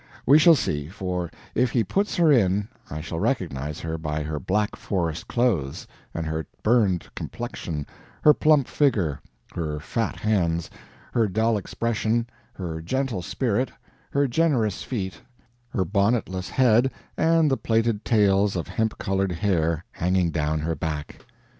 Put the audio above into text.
We shall see, for if he puts her in I shall recognize her by her Black Forest clothes, and her burned complexion, her plump figure, her fat hands, her dull expression, her gentle spirit, her generous feet, her bonnetless head, and the plaited tails of hemp colored hair hanging down her back.